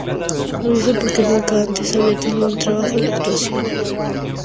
Lo hizo porque nunca antes había tenido un trabajo de actuación.